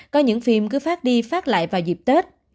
có những phim cứ phát đi phát lại vào dịp tết